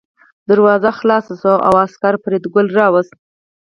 دروازه خلاصه شوه او عسکر فریدګل راوست